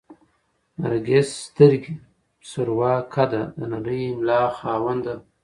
نرګس سترګې، سروه قده، د نرۍ ملا خاونده ده